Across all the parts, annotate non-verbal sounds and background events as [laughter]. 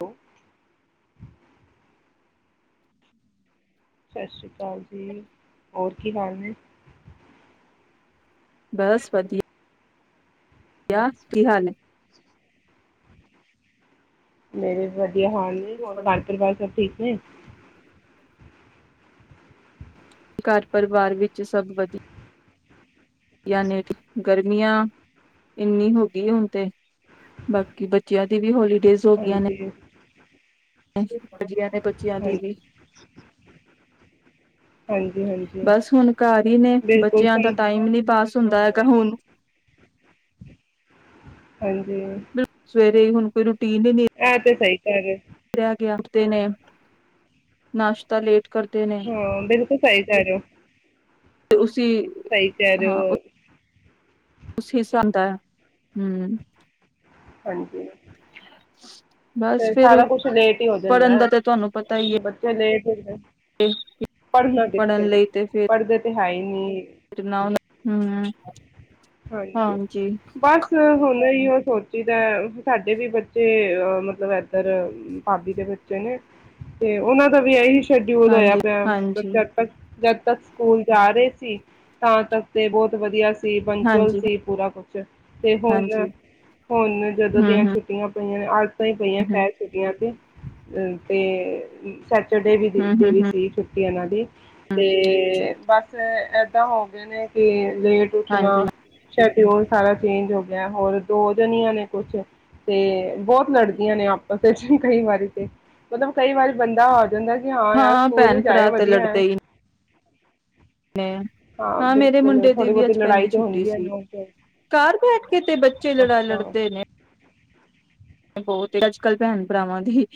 ਹੈ ਸਤਿ ਸ੍ਰੀ ਅਕਾਲ ਜੀ ਹੋਰ ਕੀ ਹਾਲ ਨੇ ਬਸ ਵਧੀਆ ਵਿਆ ਕੀ ਹਾਲ ਹੈ ਮਰੇ ਬ ਵਧਆ ਹਾਲ ਨੇ ਹੋਰ ਘਰ ਪਰਿਵਾਰ ਸਭ ਠੀਕ ਹਮ ਘਰ ਪਰਿਵਾਰ ਵਿੱਚ ਸਗ ਵਧੀਆ ਯਾਨੀ ਗਰਮੀਆਂ ਇੰਨੀ ਹੋ ਗਈ ਹੁਣ ਤੇ ਬਾਕੀ ਬੱਚਿਆਂ ਦੀ ਵੀ ਹੋਲੀ ਹਾਂਜੀ ਹ ਬੱਚਿਆਂ ਦੀ ਵੀ ਹਾਂਜੀ ਹਾਂਜੀ ਹਾਂਜੀ ਬਸ ਹੁਣ ਘਰ ਹੀ ਨੇ ਬਿਲਕੁਲ ਬੱਚਿਆਂ ਦਾ ਸਹੀ ਟਾਈਮ ਨੀ ਪਾਸ ਹੁੰਦਾ ਹੈਗਾ ਕੁਣ ਹਾਂਜੀ ਹੁ ਕੋਈੁ ਆਹ ਤੇ ਸਹੀ ਹੈ ਿਆ ਗਿਆਤੇ ਨੇ ਨਾਸ਼ਤਾ ਲੇਟ ਕਰਦੇ ਨੇ ਹਾਂ ਬਿਲਕੁਲ ਸਹੀ ਕਰਓ ਤੇ ਉਸ ਸਹੀ ਚਾਰ ਉਸ ਹਿਸਾ ਦਾ ਹਮ ਹਾਂਜੀ [inaudible] ਬਸ ਤੇ ਫਿਰ ਸਾਰਾ ਕੁਛ ਲੇਟ ਹੀ ਹੋ ਪੜ੍ਹਨ ਦਾ ਤਾਂ ਤੁਹਾਨੂੰ ਪਤਾ ਹੀ ਹੈ ਹੀ ਪੜ੍ਹਨਾ ਪੜ੍ਹਨ ਕਿਥੇ ਲਈ ਤੇ ਫਿਰ ਪੜ੍ਹਦੇ ਤੇ ਹੈ ਹੀ ਨਹੀਂੀ ਨਾ ਹਮ ਹਾਂਜੀ ਬਸ ਹੁਣ ਹੀ ਉਹ ਸੋਚੀਦਾ ਸਾਡੇ ਵੀ ਬੱਚੇ ਅਹ ਮਤਲਬ ਮਤਲਬ ਇਧਰ ਭਾਬੀ ਦੇ ਬੱਚੇ ਨੇ ਤੇ ਉਹਨਾਂ ਦਾ ਵੀ ਇਹੀ ਸ਼ਡਿਊਲ ਹੋਇਆ ਹਾਂਜੀ ਪਿਆ ਮਤਲਬ ਹਾਂਜੀ ਜਦ ਤੱਕ ਜਦ ਤੱਕ ਸਕੂਲ ਜਾ ਰਹੇ ਸੀ ਤਾਂ ਤੱਕ ਤੇ ਬਹੁਤ ਵਧੀਆ ਸੀ। ਪੰਚੁਲ ਹਾਂਜੀ ਸੀ ਪੂਰਾ ਕੁਛ ਤੇ ਹੁਣ ਹਾਂਜੀ ਹੁਣ ਜਦੋਂ ਹੂੰ ਦੀਆਂ ਹੂੰ ਛੁੱਟੀਆਂ ਪਈਆ [unintelligible] ਬਈਆਂ ਹੂੰ ਕਹਿ ਸੀਡੀਆਂ ਸੀ। ਆ ਤੇ ਸੈਚਰਡੇ ਵੀ ਹੂੰ ਦਿੱਤੀ ਹੂੰ ਵੀ ਹੂੰ ਸੀ ਛੁੱਟੀ ਇਹਨਾਂ ਦੀ, ਹੂੰ ਤੇ ਬਸ ਫਿਰ ਏਦਾਂ ਹੋ ਗਏ ਨੇ, ਕਿ ਲੇਟ ਉੱਠਣਾ, ਹਾਂਜੀ ਸੈ਼ਡੀਓਲ ਸਾਰਾ ਚੇਂਜ ਹੋ ਗਿਆ ਹੈ, ਹੋਰ ਦੋ ਜਣੀਆਂ ਨੇ ਕੁਛ ਤੇ ਬਹੁਤ ਲੜ ਦੀਆ ਨੇ ਆਪਸ ਚ ਕਈ ਵਾਰੀ ਤੇ, ਮਤਲਬ ਕਈ ਵਾਰੀ ਬੰਦਾ ਕਹਿੰਦਾ ਜੀ, ਹਾਂ ਯਾਰ ਸਕੂਲ ਹੀ ਭੈਣ ਜਾਏ ਭਰਾ ਤੇ ਵਧੀਆ ਲੜਦੇ ਹੈ। ਹੀ ਹਾਂ ਮੇਰੇ ਬਿਲਕੁਲ ਮੁੰਡੇ ਦੀ ਥੋੜ੍ਹੀ ਵੀ ਬਹੁਤੀ ਅੱਜ ਲੜਾਈ ਪਹਿਲੀ ਤੇ ਛੁੱਟੀ ਹੁੰਦੀ ਹੈ ਸੀ। ਨੋਕ ਝੋਕ। ਘਰ ਬੈਠ ਕੇ ਤੇ ਬੱਚੇ ਲੜਾਈ ਅੱਛਾ ਲੜਦੇ ਨੇ। ਬਹੁਤ ਹੀ ਅੱਜ ਕੱਲ ਭੈਣ ਭਰਾਵਾਂ ਦੀ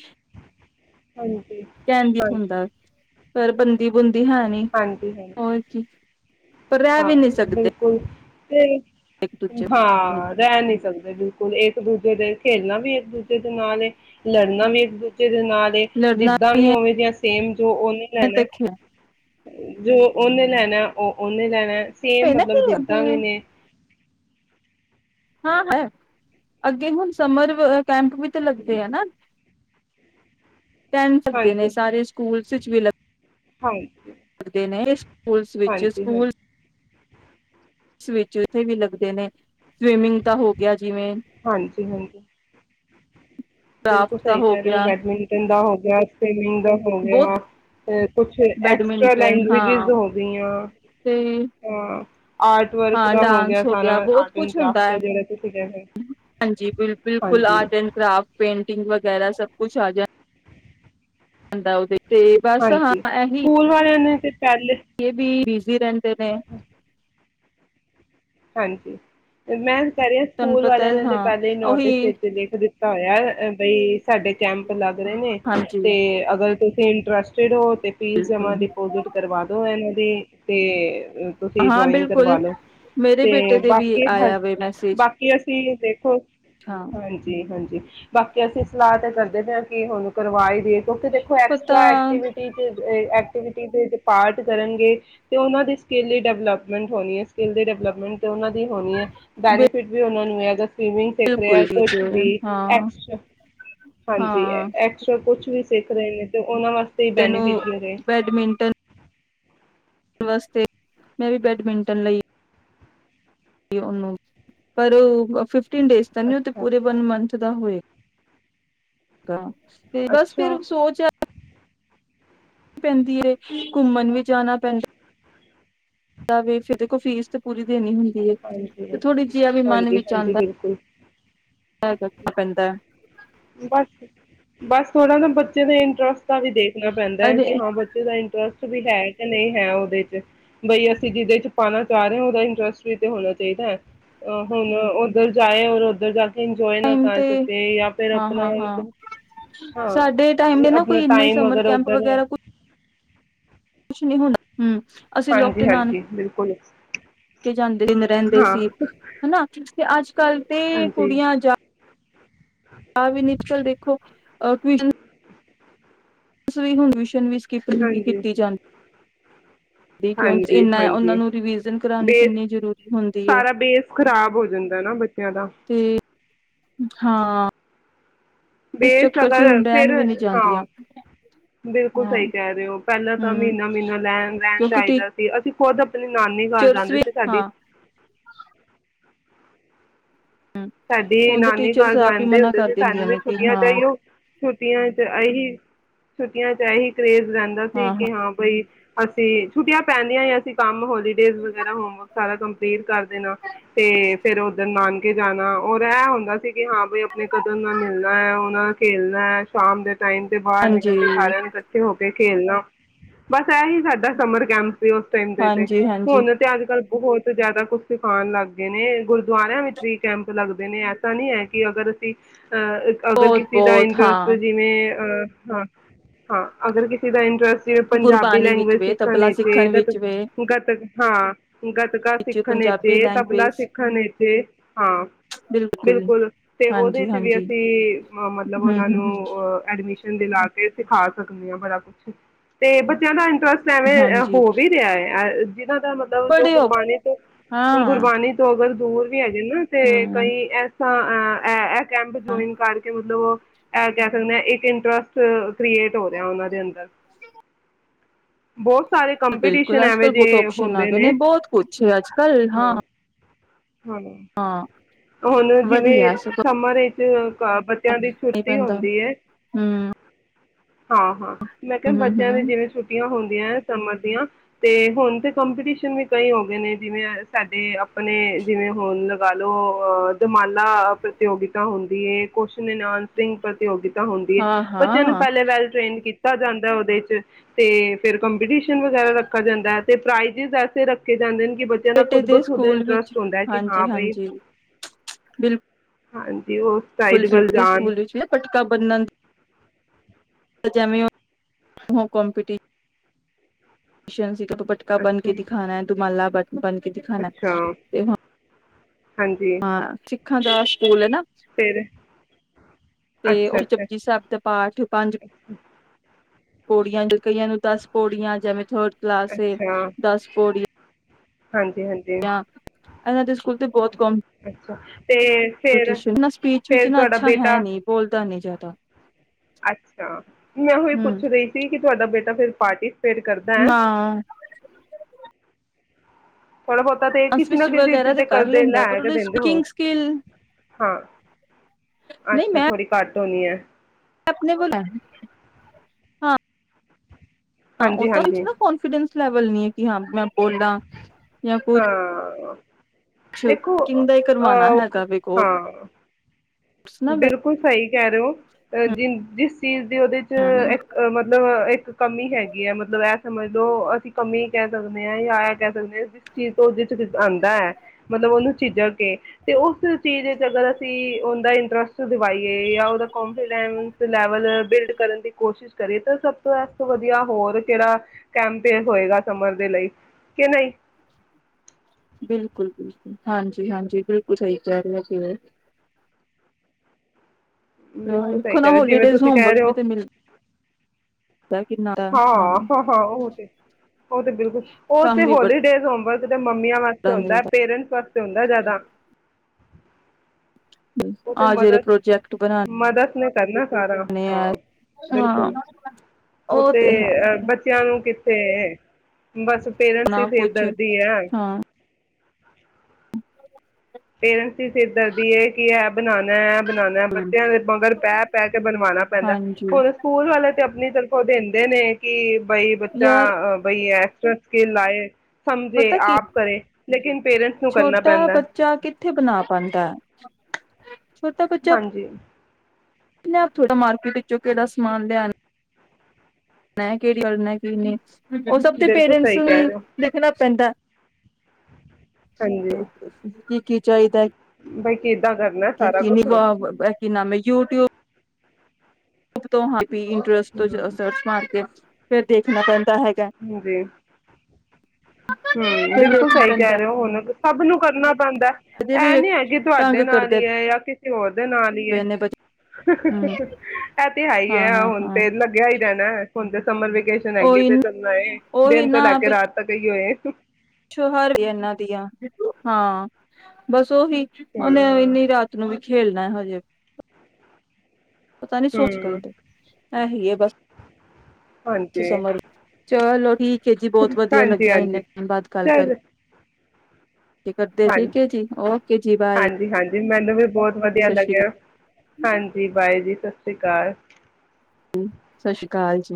ਹਾਂਜੀ-ਹਾਂਜੀ। ਫਿਰ ਬੰਦੀ ਬੁੰਦੀ ਦੀ ਹੈ ਣੀ, ਹੋਰ ਕੀ ਪਰ ਰਹਿ ਹਾਂ ਵੀ ਨਹੀਂ ਸਕਦੇ। ਬਿਲਕੁਲ ਇੱਕ ਦੂਜੇ [unintelligible] ਹਾਂ, ਰਹਿ ਨਹੀਂ ਸਕਦੇ ਬਿਲਕੁਲ ਇਹ ਇੱਕ ਦੂਜੇ ਦੇ ਖੇਲਣਾ ਵੀ ਇੱਕ ਦੂਜੇ ਦੇ ਨਾਲ ਏ। ਲੜਨਾ ਵੀ ਇੱਕ ਦੂਜੇ ਦੇ ਨਾਲ ਏ, ਜਿੱਦਾਂ ਵੀ ਉਵੇਂ ਦੀਆਂ ਸੇਮ ਸੋ ਉਹਨੂੰ ਹੀ ਹੈ ਲਿਆਨਾ ਤੇ ਏ। ਖੇ ਜੋ ਉਹਨੇ ਲੈਣਾ ਹੈ, ਉਹ ਉਹਨੇ ਲੈਣਾ ਹੈ। ਸੇਮ ਨਾ ਕਿ ਮਤਲਬ ਅੱਗੇ ਜਿੱਦਾਂ ਵੀ ਨੇ। [unintelligible] ਹਾਂ ਹੈ। ਅੱਗੇ ਹੁਣ ਸਮਰ ਵਗੈਰਾ ਕੈਂਪ ਵੀ ਤੇ ਲੱਗਦੇ ਆ ਨਾ। ਕਹਿਨ ਸਕਦੇ ਨੇ ਹਾਂਜੀ ਸਾਰੇ ਸਕੂਲ ਸਿਚ ਵੀ ਲੱ ਹਾਂਜੀ। ਕਰਦੇ ਨੇ ਇਸ ਸਕੂਲਸ ਵਿੱਚ ਹਾਂਜੀ ਹਾਂਜੀ ਸਕੂਲ ਸਵਿਚ ਉੱਥੇ ਵੀ ਲੱਗਦੇ ਨੇ। ਸਵੀਮਿੰਗ ਤਾਂ ਹੋ ਗਿਆ ਜਿਵੇਂ ਹਾਂਜੀ ਹਾਂਜੀ ਬਿਲਕੁਲ ਕਰਾਫਟ ਦਾ ਸਹੀ ਕਹਿ ਰਹੇ ਹੋ, ਗਿਆ ਬੈਡਮਿੰਟਨ ਦਾ ਹੋ ਗਿਆ, ਸਵਿਮਿੰਗ ਦਾ ਹੋ ਗਿਆ ਬਹੁਤ ਤੇ ਕੁਛ ਐਕਸਟਰਾ ਬੈਡਮਿੰਟਨ ਹਾਂ ਲੈਂਗੁਏਜਿਜ ਹੋ ਗਈਆਂ ਤੇ ਹਾਂ। ਆਰਟ ਵਰਕ ਹਾਂ ਦਾ ਡਾਂਸ ਹੋ ਸਾਰਾ ਗਿਆ ਬਹੁਤ ਆਰਟ ਐਂਡ ਕੁਛ ਕਰਾਫਟ ਹੁੰਦਾ ਦਾ ਹੈ, ਜਿਹੜਾ ਤੁਸੀਂ ਕਹਿੰਦੇ ਹਾਂਜੀ ਬਿਲਕੁਲ ਹਾਂਜੀ, ਆਰਟ ਐਂਡ ਕਰਾਫਟ ਪੇਂਟਿੰਗ ਵਗੈਰਾ ਸਭ ਕੁਛ ਆ ਜਾ। ਹੁੰਦਾ ਉਹਦੇ ਤੇ ਬਸ ਹਾਂ ਹਾਂਜੀ ਇਹੀ ਸਕੂਲ ਵਾਲਿਆਂ ਨੇ ਤੇ ਪਹਿਲੇ ਇਹ ਵੀ ਵੀਰਨ ਤੇ ਨੇ ਹਾਂਜੀ ਤੇ ਮੈਂ ਕਰਿਆ ਤੁਹਾਨੂੰ ਸਕੂਲ ਪਤਾ ਵਾਲਿਆਂ ਹੈ ਨੇ ਤੇ ਹਾਂ ਪਹਿਲੇ ਹੀ ਨੋਟਿਸ ਉਹੀ ਦੇ ਲਿਖ ਦਿੱਤਾ। ਕਾਕਾ ਹੋਇਆ ਬਈ ਸਾਡੇ ਕੈਂਪ ਲੱਗ ਰਹੇ ਨੇ ਹਾਂਜੀ ਤੇ ਅਗਰ ਤੁਸੀਂ ਇੰਟਰਸਟਿਡ ਹੋ? ਤੇ ਫੀਸ ਜਮਾਂ ਬਿਲਕੁਲ ਡਿਪੋਜਿਟ ਕਰਵਾ ਦੋ ਇਹਨੂੰ ਤੇ ਤੇ, ਤੇ ਤੁਸੀਂ ਹਾਂ ਜੁਆਇਨ ਕਰਵਾ ਬਿਲਕੁਲ ਲੋ। ਮੇਰੇ ਤੇ ਬੇਟੇ ਦੇ ਵੀ ਬਾਕੀ ਹ ਆਇਆ ਵੇ ਮੈਸੇਜ ਬਾਕੀ ਅਸੀਂ ਦੇਖੋ ਹਾਂ ਹਾਂਜੀ- ਹਾਂਜੀ, ਬਾਕੀ ਅਸੀਂ ਸਲਾਹ ਤੇ ਕਰਦੇ ਪਏ ਹਾਂ ਕਿ ਹੁਣ ਕਰਵਾ ਹੀ ਦੇ ਤੁਸੀਂ ਦੇਖੋ ਪਤਾ ਐਕਸਟਰਾ ਐਕਟੀਵਿਟੀ ਤੇ ਐਕ ਐਕਟੀਵਿਟੀ ਪਾਰਟ ਕਰਨਗੇ ਤੇ ਉਹਨਾਂ ਦੀ ਸਕਿੱਲ ਦੀ ਡਿਵਲਪਮੈਂਟ ਹੋਣੀ ਹੈ ਸਕਿੱਲ ਦੀ ਡਿਵਲਪ ਉਹਨਾਂ ਦੀ ਹੋਣੀ ਹੈ ਬੈਨੀਫਿਟ ਵੀ ਉਹਨਾਂ ਨੂੰ ਹੈ ਇਹਦਾ ਸਵੀਮਿੰਗ ਸਿੱਖ ਰਿਹਾ ਬਿਲਕੁਲ ਕੁਛ ਟੀਚਰ ਵੀ ਹਾਂ। ਐਕਸ ਹਾਂਜੀ ਹਾਂ ਐਕਸਟਰਾ ਕੁਛ ਵੀ ਸਿੱਖ ਰਹੇ ਨੇ ਤੇ ਓਹ ਤੇ ਤੈਨੂੰ ਬੈਡਮਿੰਟਨ ਵਾਸਤੇ ਮੈਂ ਵੀ ਬੈਡਮਿੰਟਨ ਲਈ ਉਹਨੂੰ ਪਰ ਫਿਫ ਏਟੀਨ ਡੇਜ਼ ਤਾਂ ਨੀ ਉਹ ਅੱਛਾ ਪੂਰੇ ਵਨ ਮੰਥ ਦਾ ਹੋਏ ਗਾ- ਤੇ ਬਸ ਅੱਛਾ ਫਿਰ ਸੋਚ ਆ ਪੈਂਦੀ ਘੁੰਮਣ ਵੀ ਜਾਣਾ ਪੈਂਦਾ ਜਾਵੇ ਫਿਰ ਦੇਖੋ ਫੀਸ ਤੇ ਪੂਰੀ ਦੇਣੀ ਹੁੰਦੀ ਹਾਂਜੀ ਤੇ ਥੋੜ੍ਹੀ ਜਿਹਾ ਵੀ ਮਨ ਹਾਂਜੀ ਵਿੱਚ ਹਾਂਜੀ ਆਉਂਦਾ ਬਿਲਕੁਲ [inaudible] ਪੈਂਦਾ ਬਸ ਬਸ ਥੋੜਾ ਨਾ ਬੱਚੇ ਦਾ ਇੰਟਰਸਟ ਤਾਂ ਵੀ ਦੇਖਣਾ ਪੈਂਦਾ ਹੈ ਕਿ ਅਰੇ ਹਾਂ ਬੱਚੇ ਦਾ ਇੰਟਰਸਟ ਵੀ ਹੈ ਕਿ ਨਹੀਂ ਹੈ ਉਹਦੇ ਚ ਬਈ ਅਸੀਂ ਜਿਹਦੇ ਚ ਪਾਉਣਾ ਚਾਹ ਰਹੇ ਉਹਦਾ ਇੰਟਰਸਟ ਵੀ ਤੇ ਹੋਣਾ ਚਾਹੀਦਾ ਹੈ। ਅ ਹੁਣ ਉੱਧਰ ਜਾਏ ਔਰ ਉੱਧਰ ਜਾਕੇ ਇੰਜੋਏ ਨਾ ਟਾਈਮ ਕਰ ਤੇ ਸਕੇ ਜਾਂ ਫਿਰ ਆਪ ਹਾਂ ਹਾਂ ਸਾਡੇ ਟਾਈਮ ਦੇ ਨਾ ਆਪਣਾ ਕੋਈ ਇੰਨੇ ਟਾਈਮ ਸਮਰ ਅਗਰ ਕੈਂਪ ਉੱਧਰ ਵਗੈਰਾ ਕੁਝ ਕੁਛ ਨਹੀਂ ਹੋਣਾ ਹਮ, ਅਸੀਂ ਲੋਕ ਤੇ ਹਾਂਜੀ ਨਾਨ ਹਾਂਜੀ ਬਿਲਕੁਲ ਕੇ ਜਾਂਦੇ ਰਹਿੰਦੇ ਹਾਂ ਸੀ ਹਨਾ ਤੇ ਅੱਜ ਕੱਲ ਤੇ ਹਾਂਜੀ ਕੁੜੀਆਂ ਜਾ [unintelligible] ਤੁ ਵੀ ਹੁਣ ਵਿਸ਼ਨ ਵੀ ਕਿ ਕੀ ਹਾਂਜੀ ਕੀਤੀ ਜਾਂਦੀ ਕਿਉਂਕਿ ਹਾਂਜੀ ਇੰਨਾ ਹਾਂਜੀ ਉਹਨਾਂ ਨੂੰ ਰਿਵੀਜ਼ਨ ਕਰਾਣੀ ਬੇਸ ਕਿੰਨੀ ਜ਼ਰੂਰੀ ਹੁੰਦੀ ਹੈ ਸਾਰਾ ਬੇਸ ਖ਼ਰਾਬ ਹੋ ਜਾਂਦਾ ਨਾ ਬੱਚਿਆਂ ਦਾ ਤੇ ਹਾਂ ਇਸ ਬੇਸ ਚੱਕਰ ਚ ਅਗਰ ਹੁਣ ਰਹਿਣ ਫਿਰ ਵੀ ਨੀ ਹਾਂ ਜਾਂਦੀਆਂ ਬਿਲਕੁਲ ਹਾਂ ਸਹੀ ਕਹਿ ਰਹੇ ਹੋ ਪਹਿਲਾਂ ਤਾਂ ਹੂੰ ਮਹੀਨਾ ਮਹੀਨਾ ਰੈਣ ਰੈਣ ਕਿਉਂਕਿ ਜਾਈਦਾ ਸੀ ਅਸੀਂ ਉਹਦਾ ਆਪਣੀ ਨਾਨੀ ਘਰ ਟੀਚਰਸ ਜਾਂਦੇ ਵੀ ਸੀ ਸਾਡੀ ਹਾਂ ਸਾਡੀ ਹੁਣ ਤਾਂ ਨਾਨੀ ਟੀਚਰਸ ਘਰ ਆਪ ਹੀ ਜਾਂਣਦੇ ਮਨਾ ਹੁੰਦੇ ਕਰ ਸੀ ਸਾਨੂੰ ਦਿੰਦੀਆਂ ਵੀ ਨੇ ਕਿ ਛੁੱਟੀਆਂ ਚ ਹਾਂ ਆਈ ਹੋ ਛੁੱਟੀਆਂ ਚ ਆਹੀ ਛੁੱਟੀਆਂ ਚ ਇਹੀ ਕਰੇਜ਼ ਰਹਿੰਦਾ ਸੀ ਕਿ ਹਾਂ ਬਾਈ ਅਸੀਂ ਛੁੱਟੀਆਂ ਪੈਂਦੀਆਂ ਹੀ ਅਸੀਂ ਕੰਮ ਹੋਲੀਡੇਜ਼ ਵਗੈਰਾ ਹੋਮਵਰਕ ਸਾਰਾ ਕੰਪਲੀਟ ਕਰ ਦੇਣਾ ਤੇ ਫਿਰ ਉੱਧਰ ਨਾਨਕੇ ਜਾਣਾ ਔਰ ਇਹ ਹੁੰਦਾ ਸੀ ਕਿ ਹਾਂ ਬਈ ਆਪਣੇ ਕਜ਼ਨ ਨਾਲ ਮਿਲਣਾ ਹੈ, ਉਹਨਾਂ ਨਾਲ ਖੇਲਣਾ ਹੈ, ਸ਼ਾਮ ਦੇ ਟਾਈਮ ਤੇ ਬਾਹਰ ਨਿਕਲ ਹਾਂਜੀ ਕੇ ਸਾਰਿਆਂ ਇਕੱਠੇ ਹੋ ਕੇ ਖੇਲਣਾ ਬਸ ਇਹ ਹੀ ਸਾਡਾ ਸਮਰ ਕੈਂਪ ਉਸ ਟਾਈਮ ਦੇ ਤੇ ਹਾਂਜੀ ਹਾਂਜੀ ਹੁਣ ਤੇ ਅੱਜ ਕੱਲ ਹੋਹੁਤ ਜ਼ਿਆਦਾ ਕੁਛ ਸਿਖਾਉਣ ਲੱਗ ਗਏ ਨੇ ਗੁਰਦੁਆਰੇ ਫਰੀ ਕੈਂਪ ਲੱਗਦਾ ਨੇ ਐਸਾ ਨਹੀ ਹੈ ਕਿ ਅਗਰ ਅਸੀਂ ਅ ਅਗਰ ਬਹੁਤ ਕਿਸੇ ਦਾ ਬਹੁਤ ਇੰਟਰਸਟ ਹਾਂ ਜਿਵੇਂ ਹਾਂ ਹਾਂ ਅਗਰ ਕਿਸੇ ਦਾ ਇੰਟਰਸਟ ਜਿਵੇ ਪੰਜਾਬੀ ਗੁਰਬਾਣੀ ਵਿੱਚ ਲੈਂਗੁਏਜ ਵੇ, ਤਬਲਾ ਸਿੱਖਣ ਚ ਗਤ ਵਿੱਚ ਵੇ, ਗਤ ਹਾਂ। ਗਦਕਾ ਵਿੱਚ ਸਿੱਖਨ ਏ ਪੰਜਾਬੀ ਚ ਤਬਲਾ ਲੈਂਗੁਏਜ ਸਿੱਖਨ ਣੇ ਚ। ਹਾਂ, ਬਿਲਕੁਲ ਤੇ ਔ ਦੇ ਚ ਵੀ ਹਾਂਜੀ-ਹਾਂਜੀ, ਅਸੀਂ ਮਤਲਬ ਔ ਨਾਂ ਨੂੰ ਹੂੰ-ਹੂੰ, ਅ ਐਡਮਿਸ਼ਨ ਦਿਲਾ ਕੇ ਸਿਖਾ ਸਕਦੇ ਹਾਂ। ਬੜਾ ਕੁਛ ਤੇ ਬੱਚਿਆਂ ਦਾ ਟੈਸਟ ਐਵੇਂ ਅ ਹਾਂਜੀ ਹੋ ਵੀ ਰਿਹਾ ਹੈ। ਜੀਦਾ ਮਤਲਬ ਜੋ ਬੜੇ ਗੁਰਬਾਣੀ ਤੋਂ, ਹਾਂ, ਗੁਰਬਾਣੀ ਤੋਂ ਅਗਰ ਦੂਰ ਵੀ [unintelligible] ਤੇ ਹੂੰ ਕਈ ਏ। ਹਾਂ ਆ ਏ ਏ ਕੈਂਪ ਜੋਇਨ ਕਰਕੇ ਮਤਲਬ ਅ ਏ ਕਹਿ ਸਕਦੇ ਹਾਂ ਇੱਕ ਇੰਟਰਸਟ ਕ੍ਰੀਏਟ ਹੋ ਰਿਹਾ ਔਨਾਂ ਦੇ ਅੰਦਰ ਬਹੁਤ ਸਾਰੇ ਕੰਪੀਟੀਸ਼ਨ ਬਿਲਕੁਲ ਐਵੇਂ ਅੱਜ-ਕੱਲ ਬਹੁਤ ਜਿਹੇ ਔਪਸ਼ਨ ਆ ਹੁੰਦੇ ਗਏ ਨੇ, ਬਹੁਤ ਕੁੱਛ ਏ ਅੱਜ ਕੱਲ ਹਾਂ। ਹਾਂ। ਹਾਂ ਹੁਣ ਜਿਵੇਂ ਵਧੀਆ ਸਗੋਂ ਸਮਰ ਇੰਚ ਚ ਬੱਚਿਆਂ ਦੀ ਨੀ ਛੁੱਟੀ ਪੈਂਦਾ ਹੁੰਦੀ ਏ। ਹੂੰ, ਹਾਂ, ਹਾਂ। ਮੈਂ ਕਿਹਾ ਬੱਚਿਆਂ ਦੀ ਹੂੰ-ਹੂੰ ਜਿਵੇਂ ਛੁੱਟੀਆਂ ਹੁੰਦੀਆਂ ਹੈ, ਸਮਰ ਦੀਆਂ। ਤੇ ਹੁਣ ਤੇ ਕੰਪੀਟੀਸ਼ਨ ਵੀ ਕਈ ਹੋ ਗਏ ਨੇ ਜਿਵੇਂ ਸਾਡੇ ਆਪਣੇ ਜਿਵੇਂ ਹੁਣ ਆਲੋ ਦਮਾਲਾ ਪ੍ਰਤਯੋਗਿਤਾ ਹੁੰਦੀ ਹੈ। ਕੌਸ਼ਨ ਐਨ ਅਨਸਰਿੰਗ। ਪ੍ਰਤਿਯੋਗੀਤਾ ਹੁੰਦੀ ਹੈ, ਬੱਚਿਆਂ ਨੂੰ ਹਾਂ-ਹਾਂ ਪਹਿਲੇ ਦਾ ਟ੍ਰੇਨ ਕੀਤ ਕੀਤਾ ਜਾਂਦਾ ਔਦੇ ਚ ਤੇ ਫਿਰ ਕੰਪੀਟੀਸ਼ਨ ਵਗੈਰਾ ਰੱਖਿਆ ਜਾਂਦਾ ਹੈ। ਤੇ ਪ੍ਰਾਈਜ਼ਸ ਐਸੇ ਰੱਖੇ ਜਾਂਦੇ ਨੇ ਕਿ ਬੱਚਿਆਂ ਦਾ ਬੇਟੇ ਖੁਦ ਬ ਦੇ ਖੁਦ ਇੰਟਰਸਟ ਹੁੰਦਾ ਹੈ ਕਿ ਹਾਂ ਬਾਈ ਬਿਲ ਹਾਂਜੀ। ਉਸ ਖੁਲ ਸਾਈਡ ਫਿਰ ਵੱਲ ਦੇ ਜਾਣ ਸਕੂਲ ਵਿੱਚ ਪਟਕਾ ਬੰਨਣ [unintelligible] ਜੇਂਵੇਂ ਔ ਹੋ ਕੰਪੀਟੀ ਸ਼ ਸੀ ਦੁ ਪਟਕਾ ਬਣ ਅੱਛਾ ਕੇ ਦਿਖਾਣਾ, ਦੁਮਾਲਾ ਬ ਬਣ ਕੇ ਦਿਖਾਣਾ ਅੱਛਾ ਤੇ ਹੁਣ ਹਾਂਜੀ ਹਾਂ ਸਿੱਖਾਂ ਦਾ ਸਕੂਲ ਹੈ ਨਾ ਫਿਰ ਤੇ ਅੱਛਾ ਉਹ ਅੱਛਾ ਚਪਜੀ ਸਾਹਿਬ ਦਾ ਪਾਠ ਪੰਜ ਪੌੜੀਆਂ ਜ ਕਈਆਂ ਨੂੰ ਦਸ ਪੌੜੀਆਂ ਜਿਵੇਂ ਕਲਾਸੇ ਅੱਛਾ ਦਸ ਪੋੜ ਹਾਂਜੀ ਹਾਂਜੀ ਇਹਨਾਂ ਦੇ ਸਕੂਲ ਤੇ ਬਹੁਤ ਅੱਛਾ ਅਤੇ ਫਿਰ ਸਪੀਚ ਵਿਚ ਫਿਰ ਨਾ ਤੁਹਾਡਾ ਅੱਾ ਹੈ ਬੇਟਾ ਨੀ ਬੋਲਦਾ ਨੀਦਾ ਤਾਂ ਅੱਛਾ ਮੈਂ ਉਹੀ ਹੂੰ ਪੁੱਛ ਰਹੀ ਸੀ ਤੁਹਾਡਾ ਬੇਟਾ ਫਿਰ ਪਾਰਟੀ ਪੇਟ ਕਰਦਾ ਹੈ ਨਾ ਥੋੜਾ ਬਹੁਤਾ ਤੇ ਕਿਸੇ ਨਾ ਸਪੀਚ ਕਿਸੇ ਚ ਚ ਵਗੈਰਾ ਤੇ ਕਰ ਕਰਦੇ ਲੈਂਦਾ ਲੈ ਪਰ ਕੇ ਉਹਦੀ ਦਿੰਦੇ ਹੋ ਸਪੀਕਿੰਗ ਸਕਿੱਲ ਹਾਂ ਨਹੀਂ ਅੱਛਾ ਮੈਂ ਥੋੜੀ ਘੱਟ ਸੋਨੀਆ ਆਪਣੇ ਬੋਲਾ ਹਾਂ ਹਾਂ ਉਹ ਹਾਂਜੀ ਤਾਂ ਵਿੱਚ ਹਾਂਜੀ ਨਾ ਕਨਫੀਡੈਂਸ ਲੈਵਲ ਨ ਹੈ ਕਿ ਹਾਂ ਮੈਂ ਬੋਲਾਂ ਜਾਂ ਕੁਛ ਹਾਂ ਦੇਖੋ ਸਪੀਕਿੰਗ ਦਾ ਹੀ ਕਰਵਾਣਾ ਅ ਹੈਗਾ ਵੀ ਹਾਂ ਕੋਰਸ ਨਾ ਹੂੰ ਬਿਲਕੁਲ ਸਹੀ ਕਹਿ ਰਹੇ ਹੋ ਅ ਜਿ ਜਿਸ ਚੀਜ਼ ਦੀ ਉਹਦੇ ਚ ਇੱਕ ਮਤਲਬ ਇੱਕ ਕਮੀ ਹੈਗੀ ਹੈ ਮਤਲਬ ਸਮਝ ਲੋ ਅਸੀਂ ਕਮੀ ਕਹਿ ਸਕਦੇ ਹਾਂ ਜਾਂ ਆਇਆ ਕਹਿ ਸਕਦੇ ਹਾਂ ਜਿਸ ਚੀਜ਼ ਤੋਂ ਜਿਸ ਆਉਂਦਾ ਹੈ ਮਤਲਬ ਉਹਨੂੰ ਚੀਜ਼ਾਂ ਕੇ ਤੇ ਉਸ ਚੀਜ਼ ਵਿੱਚ ਅਗਰ ਅਸੀਂ ਉਹਦਾ ਤਰਸਤ ਦਿਵਾਈਏ ਜਾਂ ਉਹਦਾ ਕੋਂਨਫੀਡੈਂਸ ਲੈਵਲ ਬਿਲਡ ਕਰਨ ਦੀ ਕੋਸ਼ਿਸ਼ ਕਰੀਏ ਤਾਂ ਸਭ ਤੋਂ ਇਸ ਤੋਂ ਵਧੀਆ ਹੋਰ ਕਿਹੜਾ ਕੈਂਪ ਹੋਏਗਾ ਸਮਰ ਦੇ ਲਈ ਕਿ ਨਹੀਂ ਬਿਲਕੁਲ ਬਿਲਕੁਲ ਹਾਂਜੀ ਹਾਂਜੀ ਬਿਲਕੁਲ ਸਹੀ ਕਹਿ ਰਿਹਾ ਸੀ ਬਿਲਕੁਲ ਸਹੀ ਖੋ ਨਾ ਕਹਿ ਰਹੇ ਜਿਵੇਂ ਹੋਲੀਡੇਜ਼ ਤੁਸੀਂ ਕਹਿ ਹੋਮਵਰਕ ਰਹੇ ਵੀ ਹੋ ਤੇ ਮਿਲ ਹਾਂ ਹਾਂ ਹਾਂ ਉਹ ਤੇ ਉਹ ਤੇ ਬਿਲਕੁਲ ਉਹ ਕੰਮ ਤੇ ਵੀ ਬੜਾ ਹੋਲੀਡੇਜ਼ ਉਮਬਰ ਮੰਮੀਆਂ ਵਾਸਤੇ ਹੁੰਦਾ ਮਿਲਦਾ ਪੇਰੈਂਟਸ ਵਾਸਤੇ ਹੁੰਦਾ ਜਿਆਦਾ ਉਹ ਤੇ ਆਹ ਜਿਹੜੇ ਮਦਰ ਪ੍ਰੋਜੈਕਟ ਬਣਾਣੇ ਮਦਰ ਨੇ ਕਰਨਾ ਸਾਰਾ ਆ ਹਾਂ ਹਾਂ ਬਿਲਕੁਲ ਉਹ ਤੇ ਹੈ ਅ ਹੀ ਹੈ ਬੱਚਿਆਂ ਨੂੰ ਕਿ ਥੇ ਬਸ ਪੇਰੈਂਟਸ ਦੀ ਨਾ ਸਿਰ ਕੁਛ ਦਰਦੀ ਹੈ। ਹਾਂ ਪੇਰੈਂਟਸ ਦੀ ਸਿਰ ਦਰਰਦੀ ਹੈ ਕਿ ਇਹ ਬਣਾਣਾ ਹੈ ਬਣਾਣਾ ਬੱਚਿਆਂ ਦੇ ਬਗਰ ਪੈ ਪੈ ਕੇ ਬਣਵਾਣਾ ਪੈਂਦਾ ਹਾਂਜੀ ਹੁਣ ਸਕੂਲ ਵਾਲੇ ਤੇ ਨੀ ਤੇ ਉਹ ਦਿੰਦੇ ਨੇ ਕਿ ਬਈ ਬੱਚਾ ਯਾਰ ਅ ਬਈ ਐ। ਸਕੇ ਲਾਏ। ਆਪ ਸਮਝੇ, ਪਤਾ ਕੀ ਕਰੇ ਲੇਕਿਨ ਪੇਰੈਂਟਸ ਨੂੰ ਕਰਨਾ ਛੋਟਾ ਪੈਂਦਾ ਹੈ। ਬੱਚਾ ਕਿੱਥੇ ਬਣਾ ਪਾਦਾ ਐ। ਛੋਟਾ ਬੱਚਾ ਹਾਂਜੀ ਪੰਜਾਬ ਥਹਾਡਾ ਮਾਰਕੀਟ ਵਿਚੋਂ ਕਿਹੜਾ ਸਮਾਨ ਲਿਆਣਾ ਮੈਂ ਕਿਹੜੀ ਗੱਲ ਐ। ਕੀ ਨੀ ਉਹ ਸਭ ਦੇ ਬਿਲਕੁਲ ਪੇਰੈਂਟਸ ਸਹੀ ਨੂੰ ਕਹਿ ਹੀ ਰਹੇ ਹੋ ਦੇਖਣਾ ਪੈਂਦਾ ਐ। ਹਾਂਜੀ ਕੀ ਕੀ। ਚਾਹੀਦਾ ਏ। [unintelligible] ਸਾਰਾ ਕੁਛ ਹਮ [unintelligible] ਕੀ ਨਾਮ ਯੂਟਿਉਬ ਤੋ ਹਾ ਪੀ ਇੰਟਰਸਟ ਤੋਂ ਸਰਚ ਮਾਰਕਿਟ ਫਿਰ ਦੇਖਣਾ ਪੈਂਦਾ ਹੈਗਾ ਹਾਂਜੀ। ਹੂੰ, ਫਿਰ ਬਿਲਕੁਲ ਵੇਖਣਾ ਸਹੀ ਕਹਿ ਪੈਂਦਾ ਰਹੇ ਹੋ ਹੁਣ। ਸਭ ਨੂੰ ਕਰਨਾ ਬਣਦਾ। ਅਜੇ ਵੀ ਇਹ ਨੀ ਹੈ ਕਿ ਤੰਗ ਤੁਹਾਡੇ ਨਾਲ ਕਰਦੇ ਹੀ ਹੈ ਜਾਂ ਕਿਸੇ ਹੋਰ ਦੇ ਨਾਲ ਹੀ ਹੈ। ਪਏ ਨੇ ਬੱਚੇ ਹਮ ਇਹ ਤੇ ਹੈ ਹੀ ਹਾਂ ਹੈ ਹਾਂ ਹੁਣ ਹਾਂ ਤੇ ਲੱਗਿਆ ਹੀ ਰਹਿਣਾ ਹੈ। ਹੁੰਦੇ। ਸਮਰ ਵੇਕੇਸ਼ਨ ਹੈਗੀ ਉਹੀ ਤੇ ਚੱਲਣਾ ਈ ਏ। ਦਿਨ ਤੋਂ ਲੈ ਕੇ ਰਾਤ ਤੱਕ ਇਹੀਓ ਏ। [inaudible] ਪਿਛੋ ਹਰ ਇਹਨਾਂ ਦੇ ਆਂ, ਹਾਂ। ਬੱਸ ਉਹੀ ਉਹਨੇ ਹੂੰ ਇੰਨੀ ਰਾਤ ਨੂੰ ਵੀ ਖੇਲਣਾ ਹਜੇ। [inaudible] ਪਤਾ ਨਹੀਂ ਸੋਚ ਹੂੰ ਕਰਦੇ ਐ ਏਹੀ ਐ ਬੱਸ। ਉੱਤੋਂ ਹਾਂਜੀ ਸਮਰ ਚਲੋ। ਓਕੇ ਜੀ, ਬੋਤ ਵਧੀਆ ਹਾਂਜੀ ਲੱਗਿਆ ਇੰਨੇ ਹਾਂਜੀ ਦਿਨ ਬਾਦ ਗੱਲ ਕਰਕੇ। ਚਲ [unintelligible] ਠੀਕ ਹੈ ਜੀ, ਓਕੇ ਜੀ ਬਾਏ। ਜੀ ਮੈਨੂੰ ਵੀ ਬੋਤ ਵਧੀਆ ਸਤਿ ਸ਼੍ਰੀ ਅਕਾਲ ਲੱਗਿਆ। ਹਾਂਜੀ ਬਾਏ ਜੀ ਸਰ। ਸ਼੍ਰੀ ਕਾਲ। ਸਤਿ ਸ੍ਰੀ ਅਕਾਲ ਜੀ।